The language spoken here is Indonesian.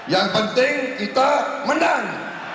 yang penting kita menang